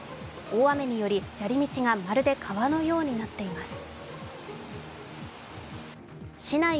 大雨により砂利道がまるで川のようになっています。